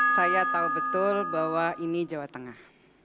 saya tahu betul bahwa ini jawa tengah